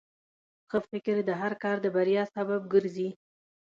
ښه فکر د هر کار د بریا سبب ګرځي.